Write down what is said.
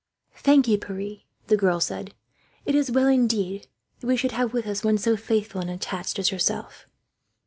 "Thank you, Pierre," the girl said. "It is well, indeed, that we should have with us one so faithful and attached as yourself."